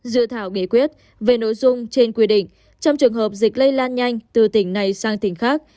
dự thảo nghị quyết về nội dung trên quy định trong trường hợp dịch lây lan nhanh từ tỉnh này sang tỉnh khác